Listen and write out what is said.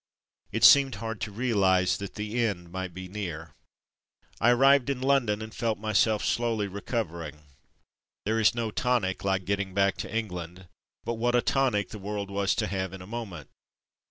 It seemed hard to realize that the end might be near. I arrived in London, and felt myself slowly recovering. There is no tonic like getting back to England, but what a tonic the world was to have in a moment!